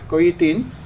có uy tín